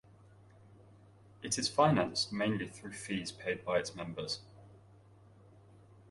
It is financed mainly through fees paid by its members.